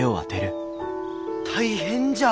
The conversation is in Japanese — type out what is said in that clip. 大変じゃ！